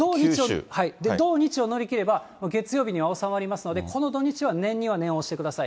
土日を乗り切れば、月曜日には収まりますので、この土日は念には念を押してください。